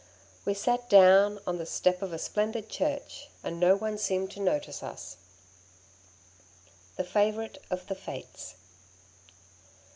We sat down on the step of a splendid church, and no one seemed to notice us. The Favourite of the Fates.